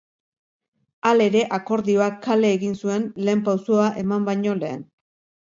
Halere, akordioak kale egin zuen lehen pausoa eman baino lehen.